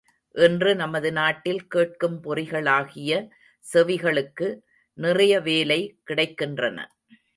இன்று நமது நாட்டில், கேட்கும் பொறிகளாகிய செவிகளுக்கு, நிறைய வேலை கிடைக்கின்றன.